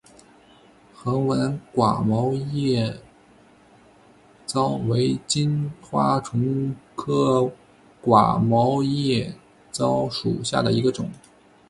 横纹寡毛叶蚤为金花虫科寡毛叶蚤属下的一个种。